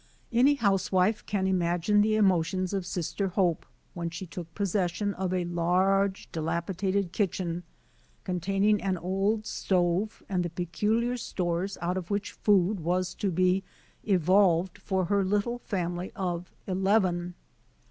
Any housewife can imagine the emotions of Sister Hope, when she took possession of a large, dilapidated kitchen, containing an old stove and the peculiar stores out of which food was to be evolved for her little family of eleven.